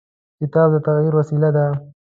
کتاب د تغیر وسیله ده.